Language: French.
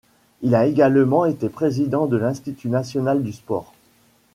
Il a également été président de l'Institut national du Sport.